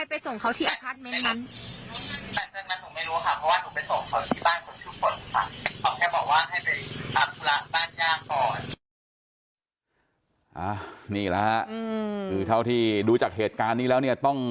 อ่านี่ล่ะค่ะคือเท่าที่ดูจากเหตุการณ์นี้แล้วเนี่ย